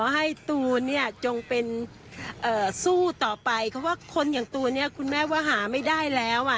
ให้ตูนเนี่ยจงเป็นเอ่อสู้ต่อไปเพราะว่าคนอย่างตูนเนี่ยคุณแม่ว่าหาไม่ได้แล้วอ่ะ